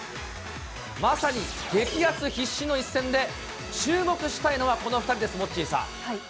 まさに激熱必至の一戦で、注目したいのがこの２人です、モッチーさん。